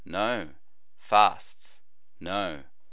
No. Fasts? No.